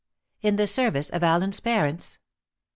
"In the service of Allen's parents?"